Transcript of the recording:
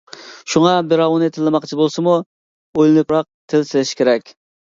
شۇڭا بىراۋنى تىللىماقچى بولسىمۇ، ئويلىنىپراق تىل سېلىشى كېرەك.